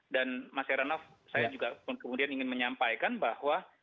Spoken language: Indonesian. dan mas heranov saya juga kemudian ingin menyampaikan bahwa